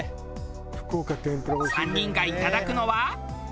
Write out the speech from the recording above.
３人がいただくのは。